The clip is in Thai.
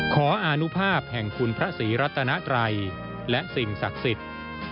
อานุภาพแห่งคุณพระศรีรัตนาไตรและสิ่งศักดิ์สิทธิ์